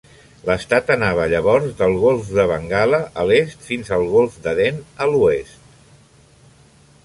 L'estat anava llavors del golf de Bengala a l'est fins al golf d'Aden a l'oest.